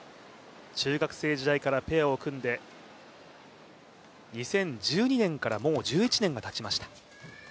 中学生時代からペアを組んで２０１２年からもう１２年が過ぎました。